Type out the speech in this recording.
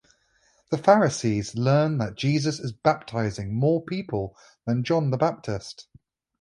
The Pharisees learn that Jesus is baptizing more people than John the Baptist.